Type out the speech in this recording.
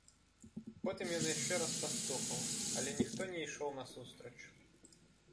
Потым ён яшчэ раз пастукаў, але ніхто не ішоў насустрач.